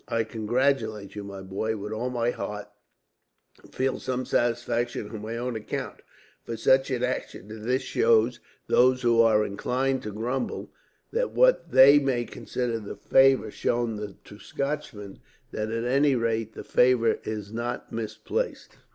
I congratulate you, my boy, with all my heart; and feel some satisfaction on my own account, for such an action as this shows those who are inclined to grumble, at what they may consider the favour shown to Scotchmen, that at any rate the favour is not misplaced.